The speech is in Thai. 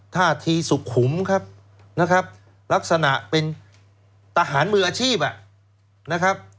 ท่าทีสุขุมครับนะครับลักษณะเป็นทหารมืออาชีพนะครับ